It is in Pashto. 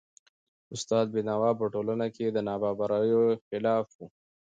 استاد بینوا په ټولنه کي د نابرابریو خلاف و .